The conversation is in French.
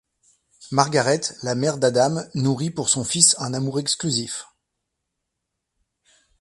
Margaret, la mère d'Adam, nourrit pour son fils un amour exclusif.